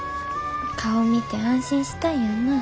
顔見て安心したいやんなぁ。